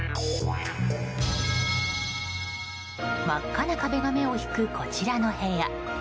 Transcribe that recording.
真っ赤な壁が目を引くこちらの部屋。